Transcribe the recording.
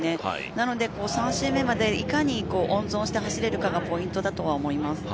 なので３周目までいかに温存して走れるかがポイントだとは思います。